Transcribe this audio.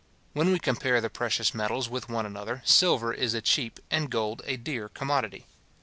When we compare the precious metals with one another, silver is a cheap, and gold a dear commodity.